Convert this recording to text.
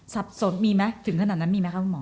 สับสนมีมั้ยถึงขนาดนั้นมีมั้ยครับหมอ